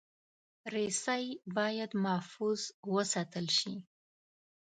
رسۍ باید محفوظ وساتل شي.